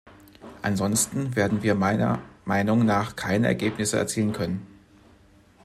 Ansonsten werden wir meiner Meinung nach keine Ergebnisse erzielen können.